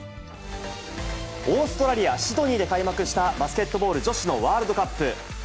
オーストラリア・シドニーで開幕した、バスケットボール女子のワールドカップ。